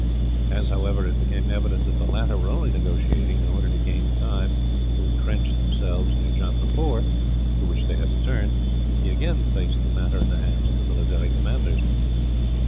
As, however, it became evident that the latter were only negotiating in order to gain time to intrench themselves near Jatrapur, to which they had returned, he again placed the matter in the hands of the military commanders.